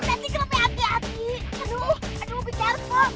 nanti kenapa hati hati aduh aduh be careful